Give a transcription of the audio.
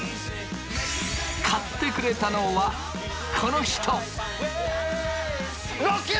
買ってくれたのはこの人！